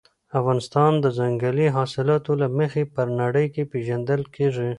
افغانستان د ځنګلي حاصلاتو له مخې په نړۍ کې پېژندل کېږي.